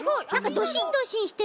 ドシンドシンしてる。